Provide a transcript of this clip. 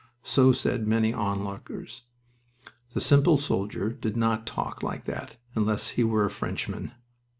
So said many onlookers. The simple soldier did not talk like that unless he were a Frenchman.